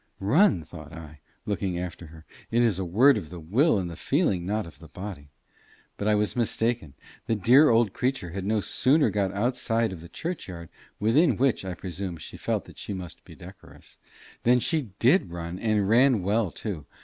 "Run!" thought I, looking after her. "It is a word of the will and the feeling, not of the body." But I was mistaken. The dear old creature had no sooner got outside of the church yard, within which, I presume, she felt that she must be decorous, than she did run, and ran well too.